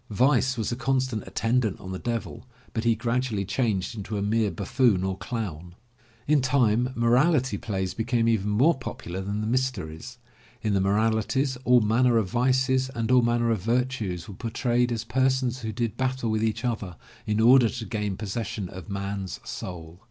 Vice was a constant attendant on the Devil, but he gradually changed into a mere buffoon or clown. In time moral ity plays became even more popular than the mysteries. In the moralities, all manner of Vices and all manner of Virtues were por trayed as persons who did battle with each other in order to gain possession of man*s soul.